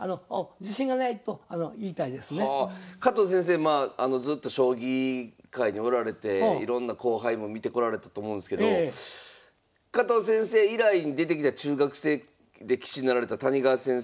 加藤先生ずっと将棋界におられていろんな後輩も見てこられたと思うんですけど加藤先生以来に出てきた中学生で棋士になられた谷川先生